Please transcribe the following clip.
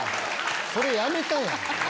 それやめたやん。